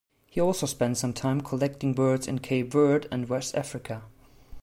He also spent some time collecting birds in Cape Verde and West Africa.